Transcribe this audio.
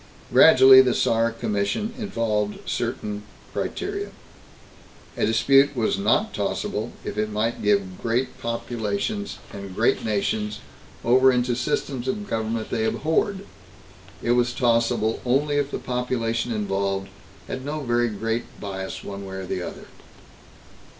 Gradually the Saar Commission evolved certain criteria: 1. A dispute was not tossable if it might give great populations and great nations over into systems of government they abhorred; it was tossable only if the population involved had no very great bias one way or the other.